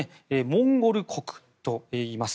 モンゴル国といいます。